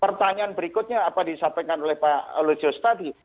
pertanyaan berikutnya apa disampaikan oleh pak lusius tadi